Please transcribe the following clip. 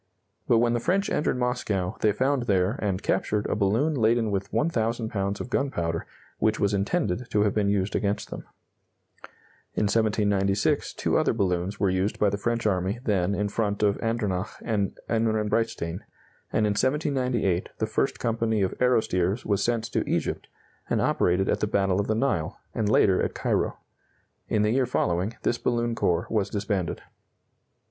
But when the French entered Moscow, they found there, and captured, a balloon laden with 1,000 pounds of gunpowder which was intended to have been used against them. In 1796 two other balloons were used by the French army then in front of Andernach and Ehrenbreitstein, and in 1798 the 1st Company of Aerostiers was sent to Egypt, and operated at the battle of the Nile, and later at Cairo. In the year following, this balloon corps was disbanded.